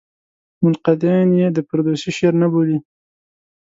منقدین یې د فردوسي شعر نه بولي.